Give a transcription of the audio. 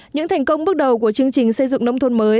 những thành công bước đầu của chương trình xây dựng nông thôn mới